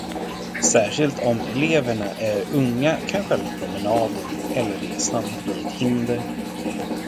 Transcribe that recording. Särskilt om eleverna är unga kan själva promenaden eller resan bli ett hinder.